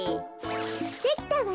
できたわ。